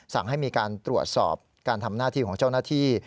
สั่งให้มีการตรวจสอบการทำหน้าที่ของเจ้าหน้าที่